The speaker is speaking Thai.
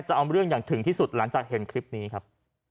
จะเอาเรื่องอย่างถึงที่สุดหลังจากเห็นคลิปนี้ครับ